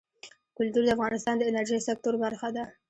کلتور د افغانستان د انرژۍ سکتور برخه ده.